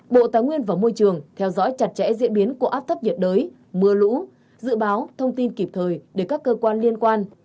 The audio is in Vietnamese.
bộ tài nguyên và môi trường theo dõi chặt chẽ diễn biến của áp thấp nhiệt đới mưa lũ dự báo thông tin kịp thời để các cơ quan liên quan